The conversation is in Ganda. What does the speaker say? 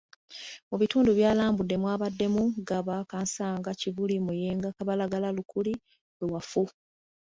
Mu bitundu byalambudde mwabaddemu; Gaba, Kansanga, Kibuli, Muyenga, Kabalagala, Lukuli, Luwafu.